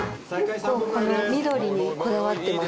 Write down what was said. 「結構この緑にこだわってます」